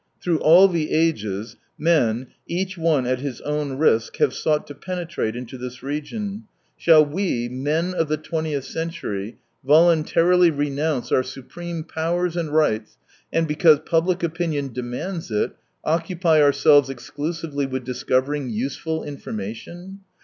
Through all the ages men, each one at his own risk, have sought to penetrate into this region. Shall we, 232 men of the twentieth century, voluntarily renounce our supreme powers and rights, and because public opinion demands it, occupy ourselves exclusively with discover ing useful information